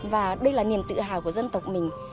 và đây là niềm tự hào của dân tộc mình